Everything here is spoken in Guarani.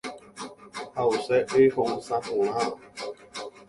Ha’use y ho’ysã porãva.